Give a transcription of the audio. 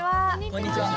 こんにちは。